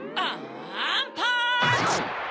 アンパンチ！